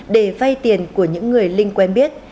để vay tiền của những người linh quen biết